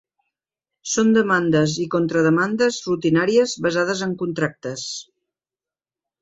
Són demandes i contrademandes rutinàries basades en contractes.